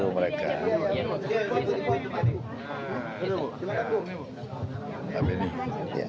terima kasih bu